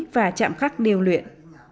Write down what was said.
và chạm khắc điều luyện